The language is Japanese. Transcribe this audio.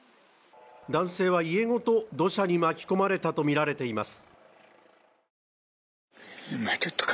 男性は家ごと土砂に巻き込まれたとみられています。